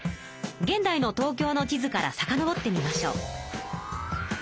現代の東京の地図からさかのぼってみましょう。